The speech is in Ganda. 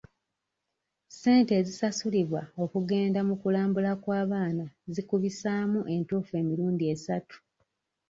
Ssente ezisasulibwa okugenda mu kulambula kw'abaana zikubisaamu entuufu emirundi esatu.